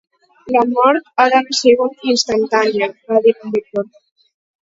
"La mort ha d'haver sigut instantània", va dir el doctor.